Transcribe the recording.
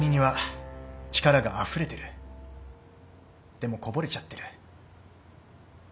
でもこぼれちゃってる。